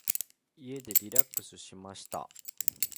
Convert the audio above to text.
家でリラックスしました。